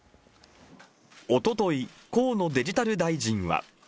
おととい、河野デジタル大臣は。